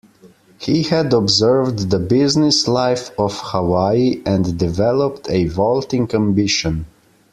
He had observed the business life of Hawaii and developed a vaulting ambition.